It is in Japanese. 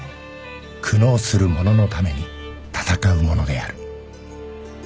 「苦悩する者のために戦う者である」